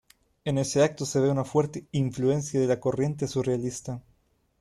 En ese acto se ve una fuerte influencia de la corriente surrealista.